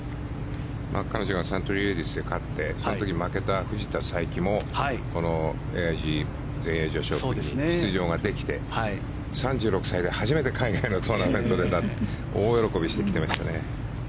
彼女がサントリーレディスで買ってその時、負けた藤田さいきもこのＡＩＧ全英女子オープンに出場ができて３６歳で初めて海外のトーナメントに出たって大喜びしてきていましたね。